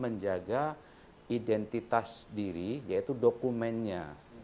menjaga identitas diri yaitu dokumennya